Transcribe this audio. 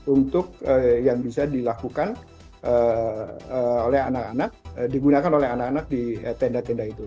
untuk yang bisa dilakukan oleh anak anak digunakan oleh anak anak di tenda tenda itu